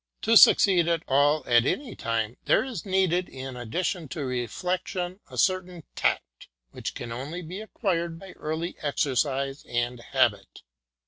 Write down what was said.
To succeed at all at any time, there is needed, in addition to reflection, a certain tact, which can only be acquired by early exercise and habit.